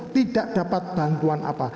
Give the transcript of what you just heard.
tidak dapat bantuan apa